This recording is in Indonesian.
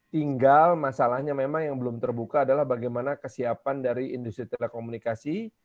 tinggal masalahnya memang yang belum terbuka adalah bagaimana kesiapan dari industri telekomunikasi